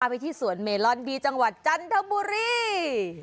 ไปที่สวนเมลอนบีจังหวัดจันทบุรี